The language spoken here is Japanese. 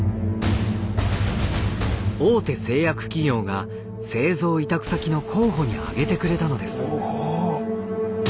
大手製薬企業が製造委託先の候補にあげてくれたのです。